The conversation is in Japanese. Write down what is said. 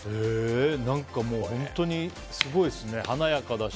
何か本当にすごいですね華やかだし。